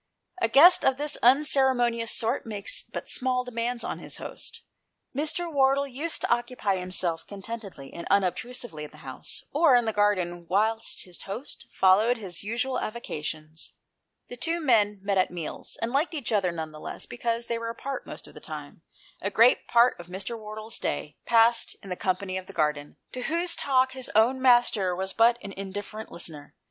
A guest of this unceremonious sort makes but small demands upon his host. Mr. Wardle used to occupy himself contentedly and unob trusively in the house or in the garden whilst his host followed his usual avocations. The two men met at meals, and liked each other none the less because they were apart at most other times. A great part of Mr. Wardle' s day was passed in the 163 GHOST TALES. company of the gardener, to whose talk his own master was but an indifferent listener.